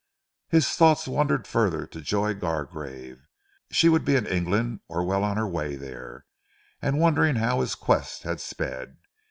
His thoughts wandered further to Joy Gargrave! She would be in England or well on her way there, and wondering how his quest had sped.